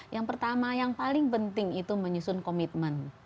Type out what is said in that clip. yang pertama yang paling penting itu menyusun komitmen